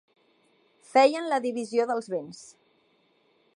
Feien la divisió dels béns.